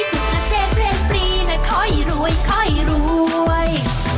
สุดเผลอเศษเล่นปรีค่อยรวยค่อยรวย